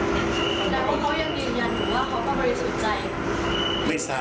แต่ว่าเขายังยืนยันหรือว่าเขาก็ไม่สนใจ